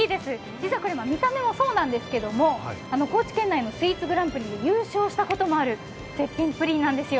実は見た目もそうなんですけど、高知県内のスイーツグランプリで優勝したこともある絶品プリンなんですよ。